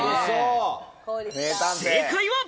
正解は。